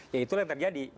ya itu yang terjadi